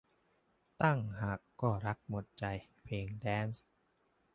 ดั้งหักก็รักหมดใจ เพลงแดนซ์